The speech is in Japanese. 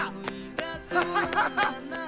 ハハハハ！